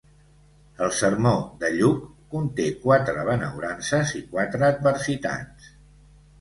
El sermó de Lluc conté quatre benaurances i quatre adversitats.